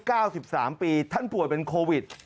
อายุ๙๓ปีท่านป่วยเป็นโควิด